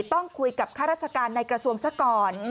ต้องคุยกับข้าราชการในกระทรวงซะก่อน